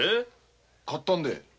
買ったんで。